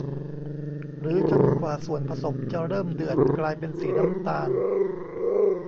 หรือจนกว่าส่วนผสมจะเริ่มเดือดกลายเป็นสีน้ำตาล